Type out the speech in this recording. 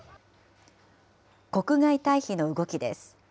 国外退避の動きです。